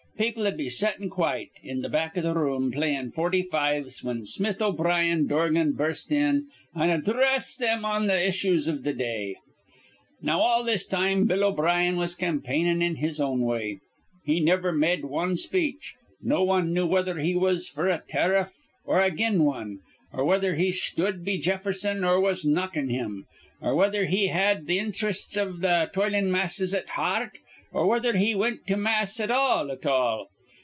People'd be settin' quite in th' back room playin' forty fives whin Smith O'Brien Dorgan'd burst in, an' addhress thim on th' issues iv th' day. "Now all this time Bill O'Brien was campaignin' in his own way. He niver med wan speech. No wan knew whether he was f'r a tariff or again wan, or whether he sthud be Jefferson or was knockin' him, or whether he had th' inthrests iv th' toilin' masses at hear rt or whether he wint to mass at all, at all.